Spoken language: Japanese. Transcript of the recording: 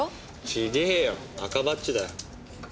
違ぇよ赤バッジだよ。